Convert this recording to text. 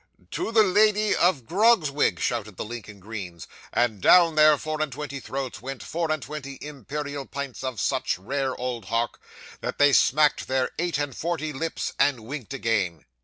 '"To the Lady of Grogzwig!" shouted the Lincoln greens; and down their four and twenty throats went four and twenty imperial pints of such rare old hock, that they smacked their eight and forty lips, and winked again.